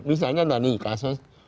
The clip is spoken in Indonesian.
misalnya nah ini kasus